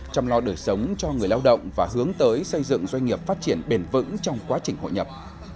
chăm lo đời sống cho người lao động và hướng tới xây dựng doanh nghiệp phát triển bền vững trong quá trình hội nhập